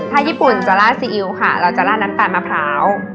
ถ้าญี่ปุ่นจะลาดซีอิ๊วค่ะเราจะลาดน้ำตาลมะพร้าว